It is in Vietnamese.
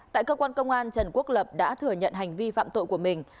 tại cơ quan công an trần quốc lập đã thừa nhận hành vi phạm tội của mình